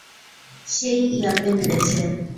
সে-ই ইয়ালকে মেরেছে।